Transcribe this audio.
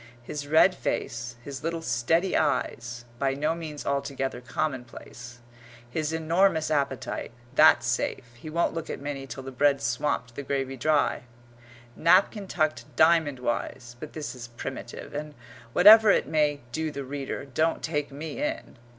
His red face, his little steady eyes by no means altogether commonplace his enormous appetite (that's safe; he won't look at Minnie till the bread's swamped the gravy dry), napkin tucked diamond wise but this is primitive, and, whatever it may do the reader, don't take me in.